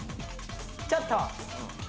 ちょっと。